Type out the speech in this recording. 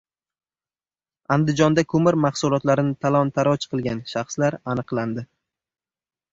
Andijonda ko‘mir mahsulotlarini talon-taroj qilgan shaxslar aniqlandi